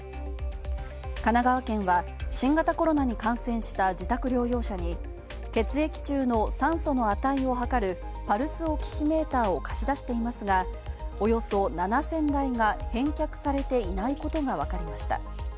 神奈川県は、新型コロナに感染した自宅療養者に血液中の酸素の値を測るパルスオキシメーターを貸し出していますが、およそ７０００台が返却されていないことがわかりました。